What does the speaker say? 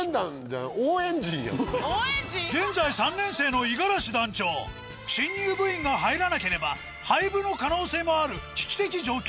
現在３年生の五十嵐団長新入部員が入らなければ廃部の可能性もある危機的状況